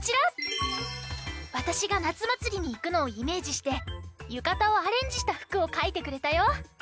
わたしがなつまつりにいくのをイメージしてゆかたをアレンジしたふくをかいてくれたよ。